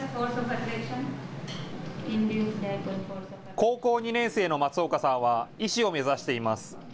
高校２年生の松岡さんは医師を目指しています。